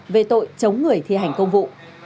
về tội chống người thi hành công vụ